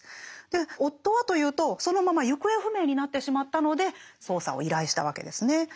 夫はというとそのまま行方不明になってしまったので捜査を依頼したわけですね。